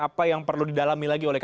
apa yang perlu didalami lagi oleh kpk